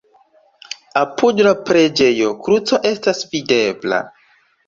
Apud la preĝejo kruco estas videbla.